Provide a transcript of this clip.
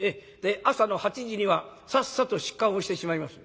「朝の８時にはさっさと出棺をしてしまいます」。